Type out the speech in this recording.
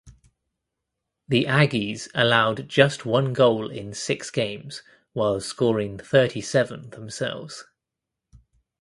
The Aggies allowed just one goal in six games while scoring thirty seven themselves.